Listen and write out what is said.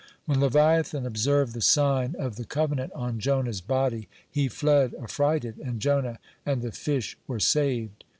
When leviathan observed the sign of the covenant on Jonah's body, he fled affrighted, and Jonah and the fish were saved.